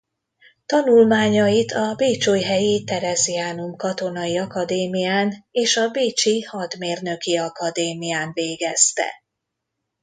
Tanulmányait a bécsújhelyi Theresianum Katonai Akadémián és a bécsi hadmérnöki akadémián végezte.